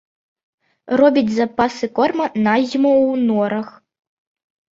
Робіць запасы корму на зіму ў норах.